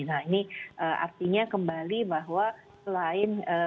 nah ini artinya kembali bahwa selain kita menghimbau masyarakat karena omikron itu